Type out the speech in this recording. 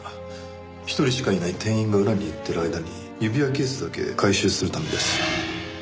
１人しかいない店員が裏に行ってる間に指輪ケースだけ回収するためです。